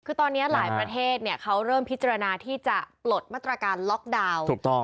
คือตอนนี้หลายประเทศเขาเริ่มพิจารณาที่จะปลดมาตรการล็อกดาวน์